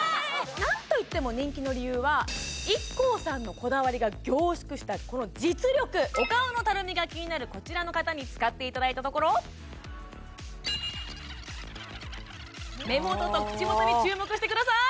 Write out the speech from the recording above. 何といっても人気の理由はＩＫＫＯさんのこだわりが凝縮したこの実力お顔のたるみがキニナルこちらの方に使っていただいたところ目元と口元に注目してください